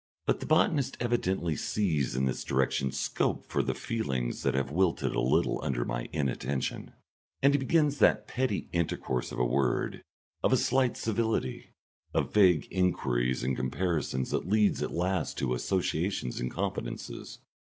But the botanist evidently sees in this direction scope for the feelings that have wilted a little under my inattention, and he begins that petty intercourse of a word, of a slight civility, of vague enquiries and comparisons that leads at last to associations and confidences.